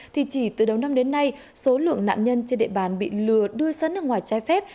thì chỉ từ đầu năm đến nay số lượng nạn nhân trên địa bàn bị lừa đưa sang nước ngoài trái phép